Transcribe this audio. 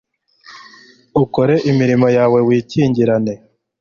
ukore imirimo yawe wikingirane